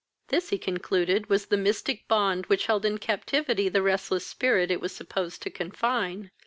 This he concluded was the mystic bond which held in captivity the restless spirit it was supposed to confine.